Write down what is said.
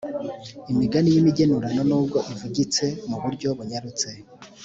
imigani y'imigenurano nubwo ivugitse mu buryo bunyarutse